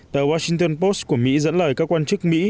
tờ washington post của mỹ dẫn lời các quan chức mỹ